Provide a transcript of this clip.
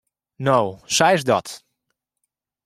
No, sa is dat.